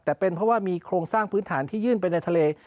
แต่เป็นเพราะว่ามีโครงสร้างพื้นฐานที่ยื่นไปในทะเล